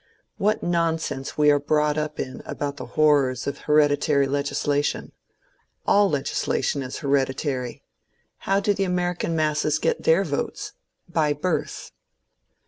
What nonsense we are brought up in about the horrors of hereditary legislation ! All legislation is hereditary. How do .the American masses get their votes ? By birth.